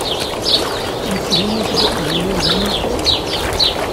Yettbin-ak-d uqjun-iw d amufay?